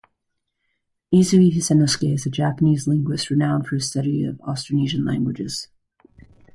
Izui Hisanosuke is a Japanese linguist renowned for his studies of Austronesian languages.